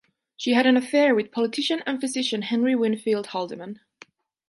She had an affair with politician and physician Henry Winfield Haldeman.